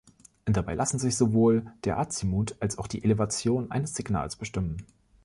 Dabei lassen sich sowohl der Azimut als auch die Elevation eines Signals bestimmen.